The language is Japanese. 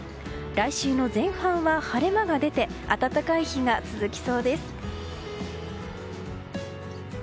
来週の前半は晴れ間が出て暖かい日が続きそうです。